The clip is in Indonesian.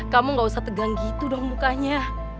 kamu gak usah tegang gitu dong mukanya